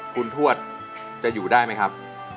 คุณทวดจะอยู่ได้ไหมครับ